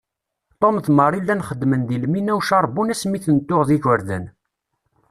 Tom d Marie llan xeddmen deg lmina ucerbun asmi ten-tuɣ d igerdan.